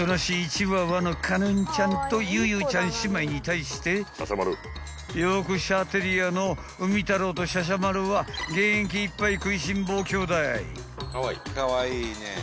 チワワの花音ちゃんとゆゆちゃん姉妹に対してヨークシャーテリアの海太郎としゃしゃまるは元気いっぱい食いしん坊兄弟］